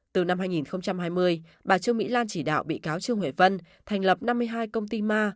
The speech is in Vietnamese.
từ năm hai nghìn hai mươi bà trương mỹ lan chỉ đạo bị cáo trương huệ vân thành lập năm mươi hai công ty ma